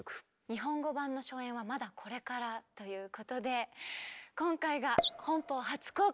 日本語版の初演はまだこれからということで今回が本邦初公開です。